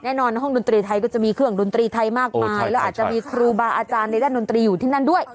แน่นอนห้องดนตรีไทยก็จะมีเครื่องดนตรีไทยมากมายแล้วอาจจะมีครูบาอาจารย์ในด้านดนตรีอยู่ที่นั่นด้วย